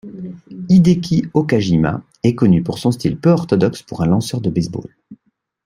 Hideki Okajima est connu pour son style peu orthodoxe pour un lanceur de baseball.